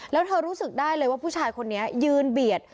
แล้วเธอรู้สึกได้เลยว่าผู้ชายคนนี้ยืนเบียด